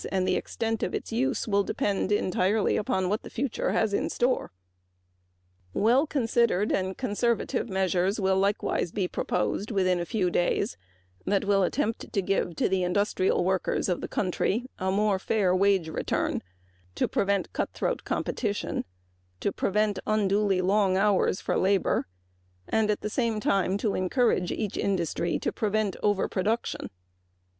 The extent of its use will depend entirely upon what the future has in store. Well considered and conservative measures will likewise be proposed which will attempt to give to the industrial workers of the country a more fair wage return, prevent cut throat competition and unduly long hours for labor, and at the same time encourage each industry to prevent overproduction.